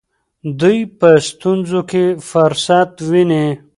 دوی په ستونزو کې فرصت ویني.